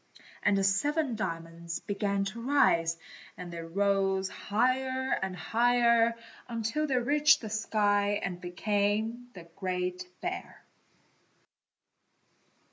And the seven diamonds began to rise, and they rose higher and higher till they reached the sky and became the Great Bear.